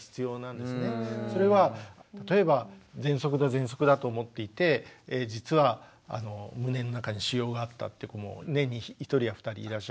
それは例えばぜんそくだぜんそくだと思っていて実は胸の中に腫瘍があったって子も年に１人や２人いらっしゃいます。